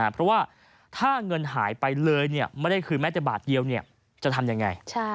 เพราะว่าถ้าเงินหายไปเลยไม่ได้คืนแม้แต่บาทเดียวจะทำยังไง